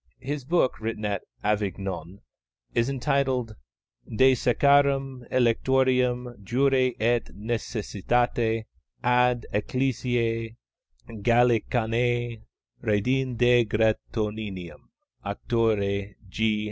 His book, written at Avignon, is entitled _De sacrarum electionum jure et necessitate ad Ecclesiae Gallicanae, redintegrationem, auctore G.